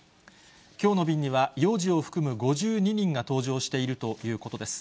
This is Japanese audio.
きょうの便には、幼児を含む５２人が搭乗しているということです。